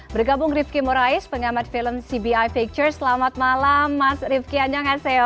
bergabung rifki morais pengamat film cbi pictures selamat malam mas rifki anyong harseo